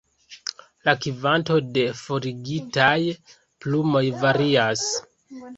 La kvanto de forigitaj plumoj varias.